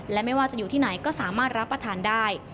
และไม่ว่าจะอยู่ที่ไหนก็สามารถรับประทานได้